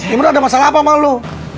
imron ada masalah apa sama lu